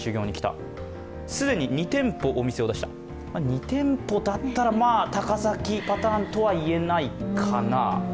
２店舗だったら高崎パターンとは言えないかな。